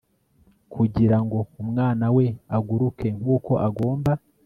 kugirango umwana we aguruke, nkuko agomba